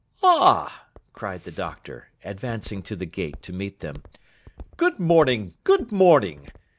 'Ah!' cried the Doctor, advancing to the gate to meet them. 'Good morning, good morning!